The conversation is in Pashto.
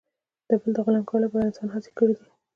د بل د غلام کولو لپاره انسان هڅې کړي دي.